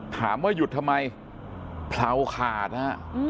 ถามว่าหยุดทำไมเผลาขาดนะฮะ